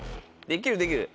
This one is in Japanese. できるできる。